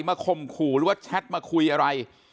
ข่มขู่หรือว่าแชทมาคุยอะไร